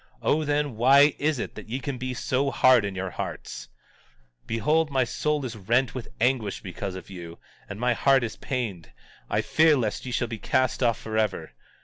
O, then, why is it, that ye can be so hard in your hearts? 17:47 Behold, my soul is rent with anguish because of you, and my heart is pained; I fear lest ye shall be cast off forever.